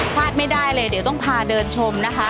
พลาดไม่ได้เลยเดี๋ยวต้องพาเดินชมนะคะ